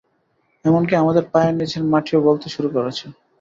এমনকি আমাদের পায়ের নিচের মাটিও গলতে শুরু করেছে।